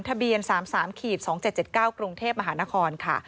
ทะเบียน๓๓๒๗๗๙กรุงเทพมหานครค่ะ